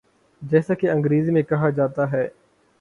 جیسا کہ انگریزی میں کہا جاتا ہے۔